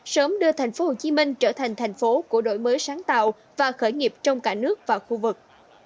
sớm đưa thành phố hồ chí minh trở thành thành phố của đổi mới sáng tạo và khởi nghiệp trong cả nước và khu vực